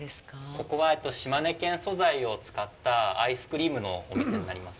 ここは島根県素材を使ったアイスクリームのお店になります。